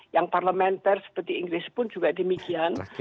yang parlementer seperti inggris pun juga demikian